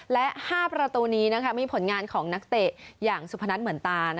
และ๕ประตูนี้มีผลงานของนักเตะอย่างสุพนัทเหมือนตา